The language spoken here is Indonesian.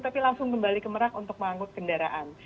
tapi langsung kembali ke merak untuk mengangkut kendaraan